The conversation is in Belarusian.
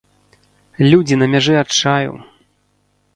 Людзі на мяжы адчаю!